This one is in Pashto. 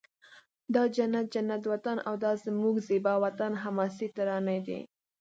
دا جنت جنت وطن او دا زموږ زیبا وطن حماسې ترانې دي